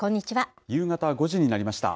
夕方５時になりました。